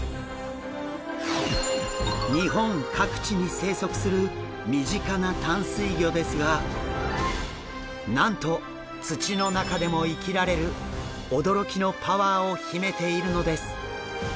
日本各地に生息する身近な淡水魚ですがなんと土の中でも生きられる驚きのパワーを秘めているのです。